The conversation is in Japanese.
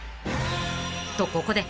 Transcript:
［とここで］